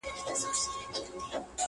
چي شال يې لوند سي د شړۍ مهتاجه سينه؛